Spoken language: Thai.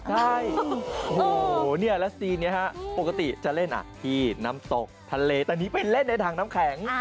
แล้วซีนที่ปกติจะเล่นพี่น้ำตกทะเลตอนนี้เป็นเล่นใดทางน้ำแข็ง